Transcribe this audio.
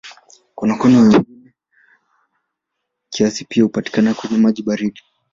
Konokono wengine wengi kiasi pia hupatikana kwenye maji baridi.